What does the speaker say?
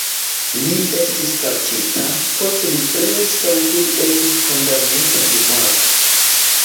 Li estis kaptita, poste li preskaŭ tuj estis kondamnita je morto.